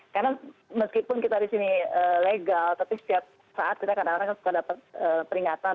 karena meskipun kita di sini legal tapi setiap saat kita kadang kadang suka dapat peringatan